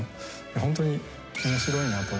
ホントに面白いなと。